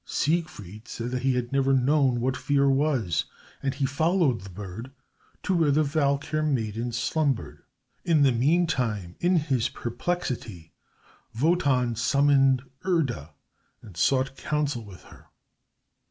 Siegfried said that he had never known what fear was, and he followed the bird to where the Valkyr maiden slumbered. In the meantime, in his perplexity, Wotan summoned Erda and sought counsel with her.